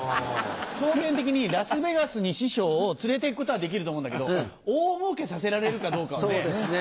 笑点的にラスベガスに師匠を連れて行くことはできると思うんだけど大もうけさせられるかどうかはね。